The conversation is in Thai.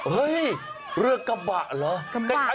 เฮ้ยเรื่องกระบะเหรอ